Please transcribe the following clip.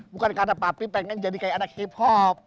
bukan karena papi pengen jadi kayak ada hip hop